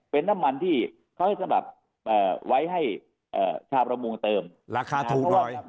เป็นน้ำมันที่เขาให้สำหรับเอ่อไว้ให้เอ่อคาประมวงเติมราคาถูกหน่อย